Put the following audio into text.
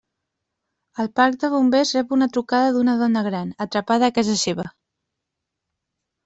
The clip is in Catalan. El parc de bombers rep una trucada d'una dona gran, atrapada a casa seva.